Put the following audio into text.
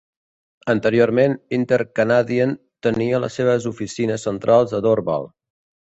Anteriorment Inter-Canadien tenia les seves oficines centrals a Dorval.